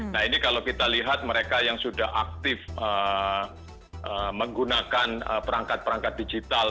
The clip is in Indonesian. nah ini kalau kita lihat mereka yang sudah aktif menggunakan perangkat perangkat digital